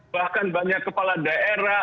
bahkan banyak kepala daerah